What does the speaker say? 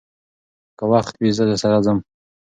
که وخت وي، زه درسره ځم.